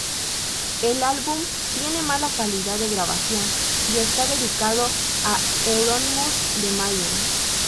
El álbum tiene mala calidad de grabación y está dedicado a Euronymous de Mayhem.